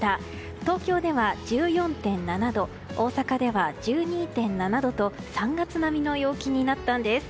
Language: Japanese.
東京では１４．７度大阪では１２．７度と３月並みの陽気になったんです。